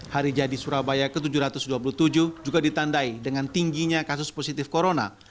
hari jadi surabaya ke tujuh ratus dua puluh tujuh juga ditandai dengan tingginya kasus positif corona